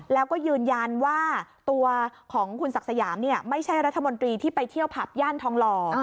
แล้วก็ยืนยันว่าตัวของคุณศักดิ์สยามไม่ใช่รัฐมนตรีที่ไปเที่ยวผับย่านทองหล่อ